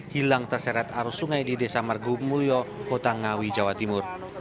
hilang terseret arus sungai di desa margomulyo kota ngawi jawa timur